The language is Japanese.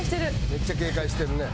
めっちゃ警戒してるね。